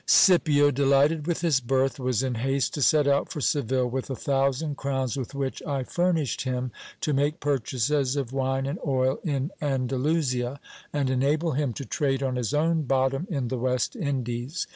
Scipio, delighted with his berth, was in haste to set out for Seville with a thousand crowns with which I furnished him, to make purchases of wine and oil in Andalusia, and enable him to trade on his own bottom in the West Indies.